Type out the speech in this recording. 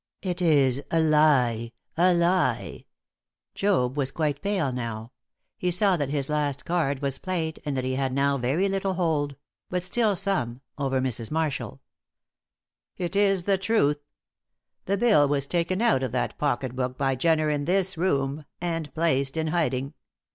"It is a lie! a lie!" Job was quite pale now; he saw that his last card was played, and that he had now very little hold but still some over Mrs. Marshall. "It the truth. The bill was taken out of that pocket book by Jenner in this room, and placed in hiding.